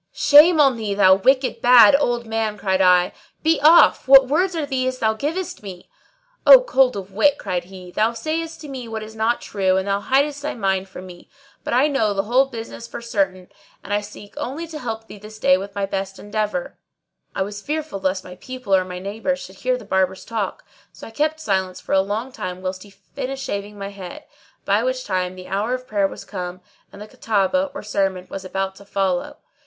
"Shame on thee, thou wicked, bad, old man!" cried I, "Be off! what words are these thou givest me?" "O cold of wit,"[FN#627] cried he, "thou sayest to me what is not true and thou hidest thy mind from me, but I know the whole business for certain and I seek only to help thee this day with my best endeavour." I was fearful lest my people or my neighbours should hear the Barber's talk, so I kept silence for a long time whilst he finished shaving my head; by which time the hour of prayer was come and the Khutbah, or sermon, was about to follow.